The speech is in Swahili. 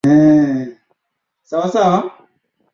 Kujikaza ni vizuri kwenye maisha